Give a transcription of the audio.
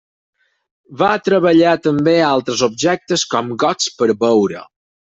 Va treballar també altres objectes com gots per beure.